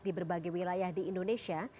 di berbagai wilayah di indonesia